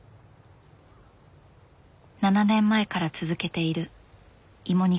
７年前から続けている芋煮会だ。